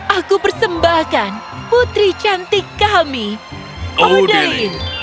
aku persembahkan putri cantik kami odai